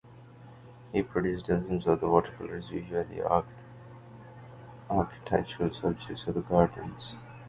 He produced dozens of watercolors usually of architectural subjects or of gardens.